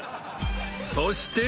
［そして］